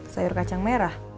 sayur kacang merah